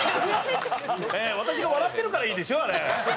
私が笑ってるからいいですよあれ。